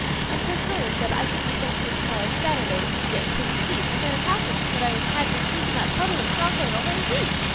And Priscilla said I could be thankful to morrow's Saturday when we get clean sheets; it might have happened so that I would have had to sleep in that puddle of chocolate a whole week.